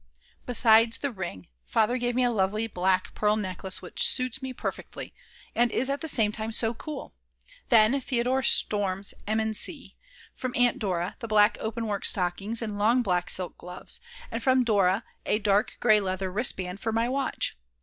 _" Besides the ring, Father gave me a lovely black pearl necklace which suits me perfectly, and is at the same time so cool; then Theodor Storm's Immensee, from Aunt Dora the black openwork stockings and long black silk gloves, and from Dora a dark grey leather wristband for my watch.